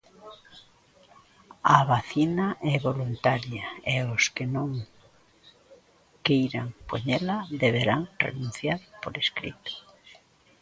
A vacina é voluntaria e os que non queiran poñela deberán renunciar por escrito.